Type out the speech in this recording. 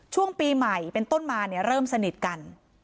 ช่วงปีใหม่เป็นต้นมาเนี่ยเริ่มสนิทกัน